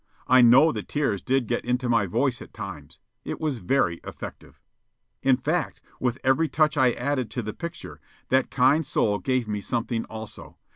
I know the tears did get into my voice at times. It was very effective. In fact, with every touch I added to the picture, that kind soul gave me something also.